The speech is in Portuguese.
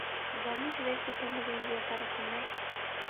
Vamos ver se temos um dia para comer.